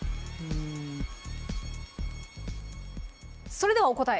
それではお答え